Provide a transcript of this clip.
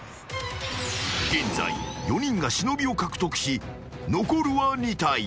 ［現在４人が忍を獲得し残るは２体］